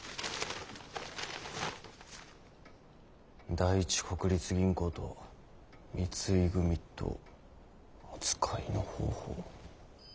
「第一国立銀行と三井組と扱いの方法」？